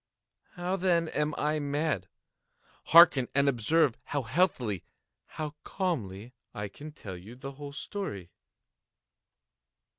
How, then, am I mad? Hearken! and observe how healthily—how calmly I can tell you the whole story.